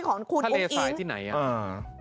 ของคุณอุ้งอิง